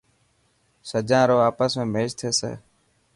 سجان رو آپس ۾ ميچ ٿيسي.